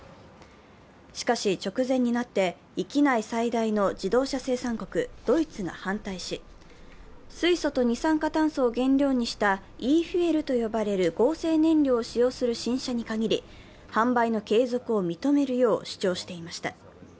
しかし、直前になって域内最大の自動車生産国ドイツが反対し、水素と二酸化炭素を原料にしたｅ−ｆｕｅｌと呼ばれる合成燃料を使用する新車に限り、販売の継続を認めるよう主張していました。